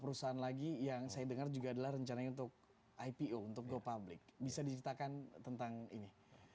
perusahaan lagi yang saya dengar juga adalah rencananya untuk ipo untuk go public bisa diceritakan tentang ini